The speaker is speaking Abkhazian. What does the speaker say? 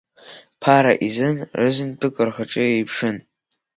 Ԥара изы рызынтәык рхаҿы еиԥшын.